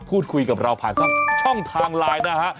พูดคุยกับเราผ่านช่องทางไลน์นะฮะ